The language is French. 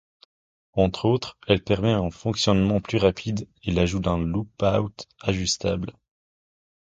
Entre autres elle permet un fonctionnement plus rapide et l'ajout d'un loop out ajustable.